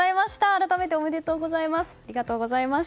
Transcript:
改めておめでとうございます。